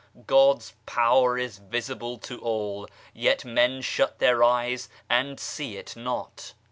God's power is visible to all, yet men shut their eyes and see it not.